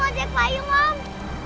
om ajak payung om